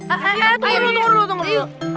eh eh eh tunggu dulu tunggu dulu